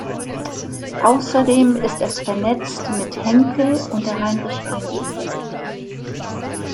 Außerdem ist es vernetzt mit Henkel und der Heinrich-Heine-Universität.